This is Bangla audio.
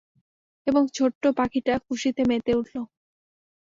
এবং ছোট্ট পাখিটা খুশিতে মেতে উঠল।